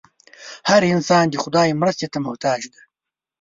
هر انسان د خدای مرستې ته محتاج دی.